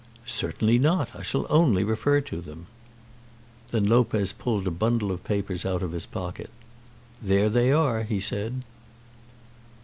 "Certainly not. I shall only refer to them." Then Lopez pulled a bundle of papers out of his pocket. "There they are," he said.